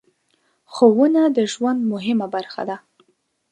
ښوونه د ژوند مهمه برخه ده.